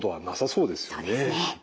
そうですね。